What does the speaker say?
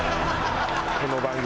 この番組。